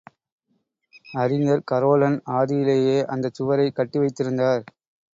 அறிஞர் கரோலன் ஆதியிலேயே அந்தச் சுவரைக் கட்டி வைத்திருந்தார்.